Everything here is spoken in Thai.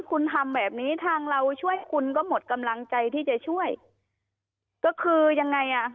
คุณทำแบบนี้ทางเราช่วยคุณก็หมดกำลังใจที่จะช่วยก็คือยังไงอ่ะ